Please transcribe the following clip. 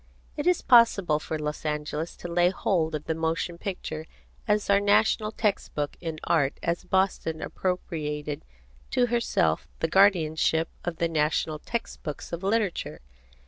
It is possible for Los Angeles to lay hold of the motion picture as our national text book in Art as Boston appropriated to herself the guardianship of the national text books of Literature.